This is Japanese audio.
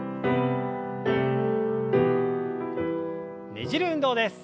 ねじる運動です。